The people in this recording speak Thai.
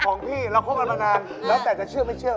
ของพี่เราคบกันมานานแล้วแต่จะเชื่อไม่เชื่อ